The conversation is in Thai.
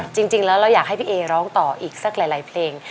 จริงแล้วเราอยากให้พี่เอร้องต่ออีกสักหลายเพลง